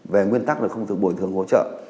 về nguyên tắc là không được bồi thường hỗ trợ